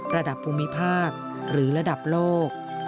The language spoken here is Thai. ระดับภูมิภาคหรือระดับโลก